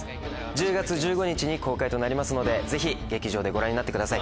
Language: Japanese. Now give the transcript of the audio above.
１０月１５日に公開となりますのでぜひ劇場でご覧になってください。